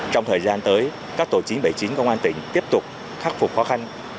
trong thời gian tới các tổ chín trăm bảy mươi chín công an tỉnh tiếp tục khắc phục khó khăn